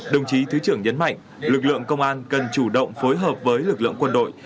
đồng chí thứ trưởng nhấn mạnh lực lượng công an cần chủ động phối hợp với lực lượng quân đội